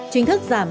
chính thức giảm